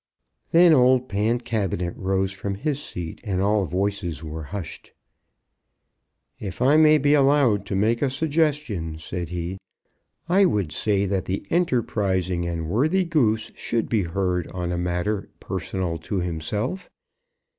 Then old Pancabinet rose from his seat, and all voices were hushed. "If I may be allowed to make a suggestion," said he, "I would say that the enterprising and worthy Goose should be heard on a matter personal to himself.